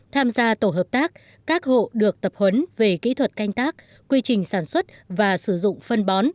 tham gia tổ hợp tác các hộ được tập huấn về kỹ thuật canh tác quy trình sản xuất và sử dụng phân bón